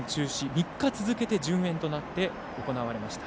３日続けて順延となって、行われました。